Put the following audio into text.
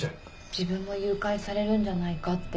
自分も誘拐されるんじゃないかって